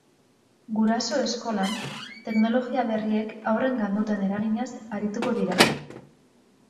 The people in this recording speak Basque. Guraso eskolan teknologia berriek haurrengan duten eraginaz arituko dira.